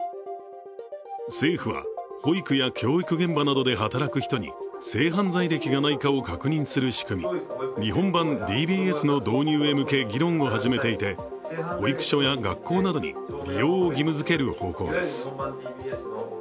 政府は保育や教育現場などで働く人に性犯罪歴がないかを確認する仕組み、日本版ＤＢＳの導入へ向け、議論を始めていて、保育所や学校などに利用を義務づける方向です。